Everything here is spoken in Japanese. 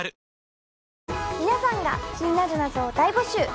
皆さんが気になる謎を大募集。